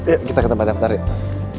ayo kita ke tempat daftar ya